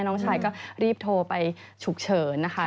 น้องชายก็รีบโทรไปฉุกเฉินนะคะ